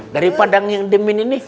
daripada yang demin ini